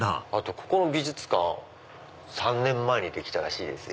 ここの美術館３年前にできたらしいですよ。